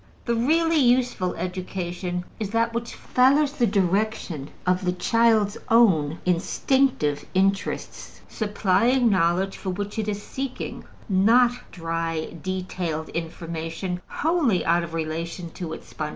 The really useful educa tion is that which follows the direction of the child's own instinctive interests, supplying knowledge for which it is seeking, not dry, detailed information wholly out of relation to its spontaneous desires.